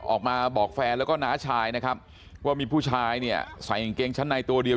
ออกมาบอกแฟนแล้วก็น้าชายนะครับว่ามีผู้ชายเนี่ยใส่กางเกงชั้นในตัวเดียว